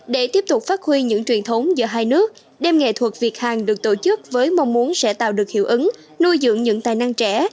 để tiếp tục phát huy những truyền thống giữa hai nước đêm nghệ thuật việt hàn được tổ chức với mong muốn sẽ tạo được hiệu ứng nuôi dưỡng những tài năng trẻ